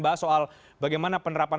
bahas soal bagaimana penerapan